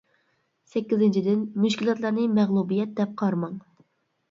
سەككىزىنچىدىن، مۈشكۈلاتلارنى مەغلۇبىيەت دەپ قارىماڭ.